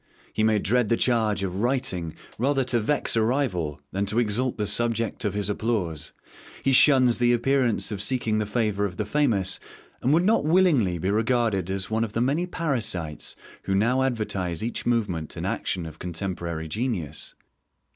He may dread the charge of writing rather to vex a rival than to exalt the subject of his applause. He shuns the appearance of seeking the favour of the famous, and would not willingly be regarded as one of the many parasites who now advertise each movement and action of contemporary genius.